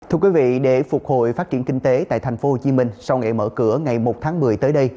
thưa quý vị để phục hồi phát triển kinh tế tại tp hcm sau ngày mở cửa ngày một tháng một mươi tới đây